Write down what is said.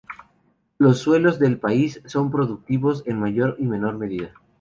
Los suelos del país son productivos en mayor y menor medida.